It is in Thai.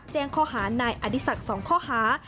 แจ้งข้อหานายอดิษักส์สองข้อหา